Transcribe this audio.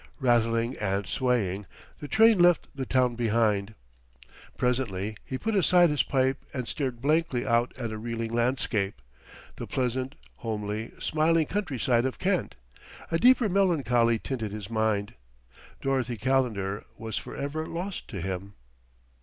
Rattling and swaying, the train left the town behind. Presently he put aside his pipe and stared blankly out at a reeling landscape, the pleasant, homely, smiling countryside of Kent. A deeper melancholy tinted his mind: Dorothy Calendar was for ever lost to him.